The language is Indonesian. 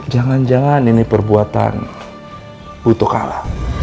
jangan jangan ini perbuatan buto kala